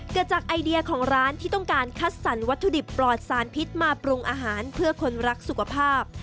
เกิดจากไอเดียของร้านที่ต้องการคัดสรรวัตถุดิบปลอดสารพิษมาปรุงอาหารเพื่อคนรักสุขภาพ